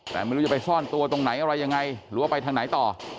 แต่ไม่รู้จะไปซ่อนตัวตรงไหนอะไรยังไงหรือว่าไปทางไหนต่อ